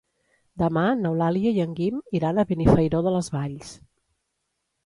Demà n'Eulàlia i en Guim iran a Benifairó de les Valls.